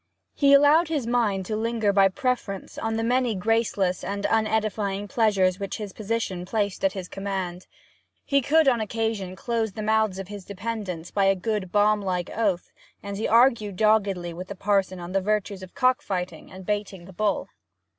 He allowed his mind to linger by preference on the many graceless and unedifying pleasures which his position placed at his command. He could on occasion close the mouths of his dependents by a good bomb like oath, and he argued doggedly with the parson on the virtues of cock fighting and baiting the bull.